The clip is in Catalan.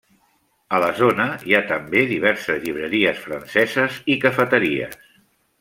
A la zona hi ha també diverses llibreries franceses i cafeteries.